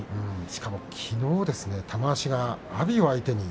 しかも、きのう玉鷲が阿炎を相手に。